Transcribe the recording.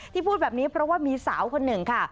พูดแบบนี้เพราะว่ามีสาวคนหนึ่งค่ะ